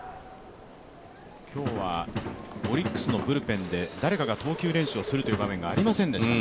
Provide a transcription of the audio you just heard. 今日はオリックスのブルペンで誰かが投球練習をする場面がありませんでした。